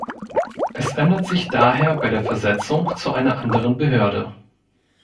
Es ändert sich daher bei der Versetzung zu einer anderen Behörde.